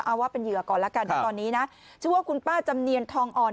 เอาว่าเป็นเหยื่อก่อนแล้วกันนะตอนนี้นะชื่อว่าคุณป้าจำเนียนทองอ่อน